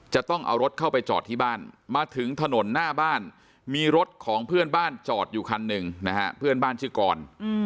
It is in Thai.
จะต้องเอารถเข้าไปจอดที่บ้านมาถึงถนนหน้าบ้านมีรถของเพื่อนบ้านจอดอยู่คันหนึ่งนะฮะเพื่อนบ้านชื่อกร